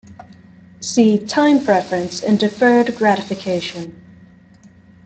See Time preference and Deferred gratification.